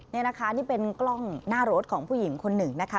นี่นะคะนี่เป็นกล้องหน้ารถของผู้หญิงคนหนึ่งนะคะ